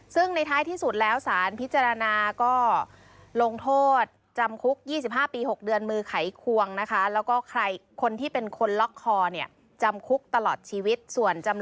ซึ่งในท้ายที่สุดแล้วศาลพิจารณาก็ลงโทษ